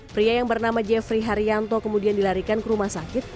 pria yang bernama jeffrey haryanto kemudian dilarikan ke rumah sakit